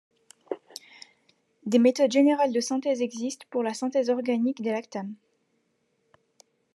Des méthodes générales de synthèse existent pour la synthèse organique des lactames.